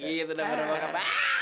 gitu dong bokap